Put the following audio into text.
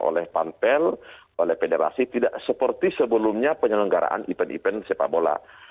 oleh pantel oleh federasi tidak seperti sebelumnya penyelenggaraan ipen ipen sepak bola